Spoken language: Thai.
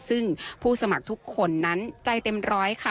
ซึ่งผู้สมัครทุกคนนั้นใจเต็มร้อยค่ะ